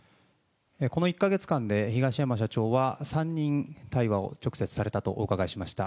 この１か月間で、東山社長は３人、対話を直接されたとお伺いしました。